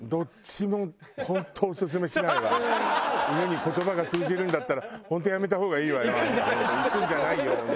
犬に言葉が通じるんだったら「本当やめた方がいいわよあんた。